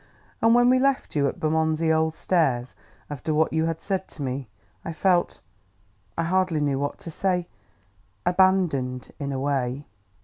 And when we left you, at Bermondsey Old Stairs, after what you had said to me, I felt I hardly know what to say abandoned, in a way."